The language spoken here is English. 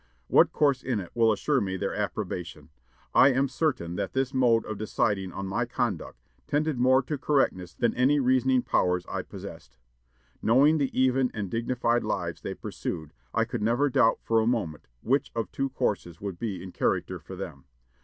What course in it will insure me their approbation? I am certain that this mode of deciding on my conduct tended more to correctness than any reasoning powers I possessed. Knowing the even and dignified lives they pursued, I could never doubt for a moment which of two courses would be in character for them.